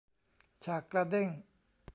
ฉากกระเด้ง